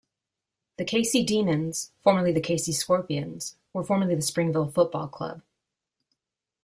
The Casey Demons, formerly the Casey Scorpions, were formerly the Springvale Football Club.